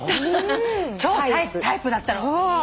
超タイプだったの？